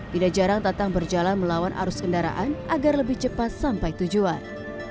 tidak jarang tatang berjalan melawan arus kendaraan agar lebih cepat sampai tujuan